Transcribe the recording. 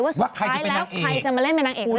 สุดท้ายแล้วใครจะมาเล่นเป็นนางเอกคน